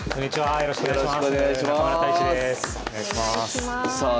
よろしくお願いします。